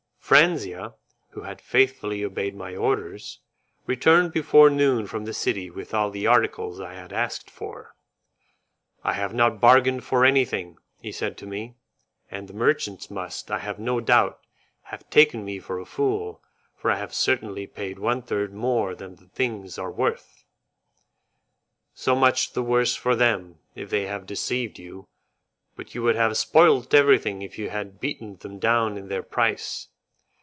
Franzia, who had faithfully obeyed my orders, returned before noon from the city with all the articles I had asked for. "I have not bargained for anything," he said to me, "and the merchants must, I have no doubt, have taken me for a fool, for I have certainly paid one third more than the things are worth." "So much the worse for them if they have deceived you, but you would have spoilt everything if you had beaten them down in their price.